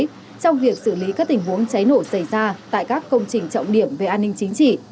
trong việc xử lý các tình huống cháy nổ xảy ra tại các công trình trọng điểm về an ninh chính trị